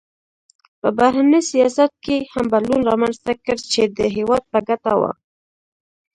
په بهرني سیاست کې هم بدلون رامنځته کړ چې د هېواد په ګټه و.